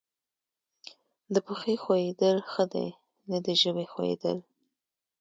د پښې ښویېدل ښه دي نه د ژبې ښویېدل.